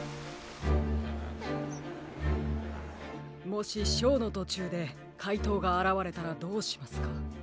もしショーのとちゅうでかいとうがあらわれたらどうしますか？